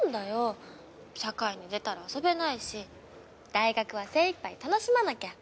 社会に出たら遊べないし大学は精一杯楽しまなきゃ！